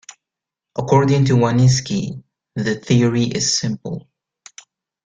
According to Wanniski, the theory is simple.